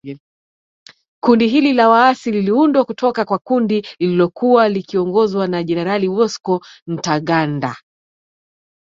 Kundi hili la waasi liliundwa kutoka kwa kundi lililokuwa likiongozwa na Jenerali Bosco Ntaganda.